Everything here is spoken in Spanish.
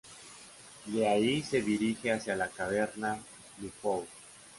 De ahí se dirige hacia la caverna Dufour.